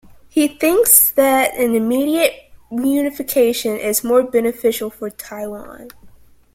He thinks that an immediate reunification is more beneficial for Taiwan.